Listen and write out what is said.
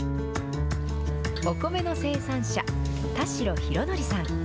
お米の生産者、田代裕紀さん。